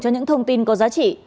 cho những thông tin có giá trị